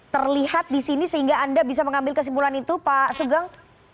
terlihat di sini sehingga anda bisa mengambil kesimpulan itu pak sugeng